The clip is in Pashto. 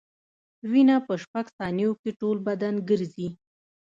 وینه په شپږ ثانیو کې ټول بدن ګرځي.